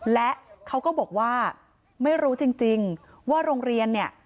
และเขาก็บอกว่าไม่รู้จริงว่าโรงเรียนเนี่ย